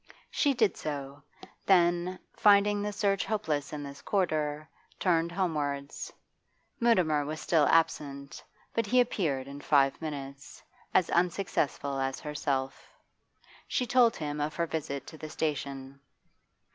She did so; then, finding the search hopeless in this quarter, turned homewards. Mutimer was still absent, but he appeared in five minutes; as unsuccessful as herself. She told him of her visit to the station.